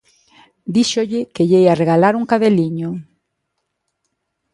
Díxolle que lle ía regalar un cadeliño.